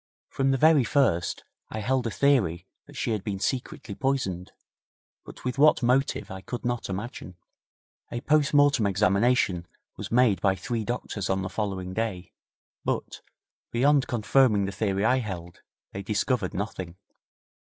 From the very first, I held a theory that she had been secretly poisoned, but with what motive I could not imagine. A post mortem examination was made by three doctors on the following day, but, beyond confirming the theory I held, they discovered nothing.